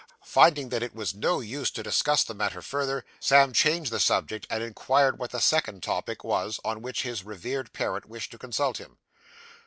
Finding that it was of no use to discuss the matter further, Sam changed the subject, and inquired what the second topic was, on which his revered parent wished to consult him.